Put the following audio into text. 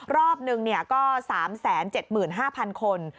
รอบหนึ่งก็๓๗๕๐๐คน